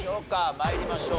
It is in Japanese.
参りましょう。